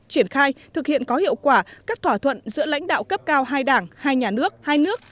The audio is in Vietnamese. triển khai thực hiện có hiệu quả các thỏa thuận giữa lãnh đạo cấp cao hai đảng hai nhà nước hai nước